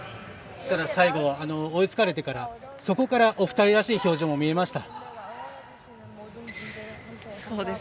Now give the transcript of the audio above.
最後は追いつかれてからそこからお二人らしい表情も見えました。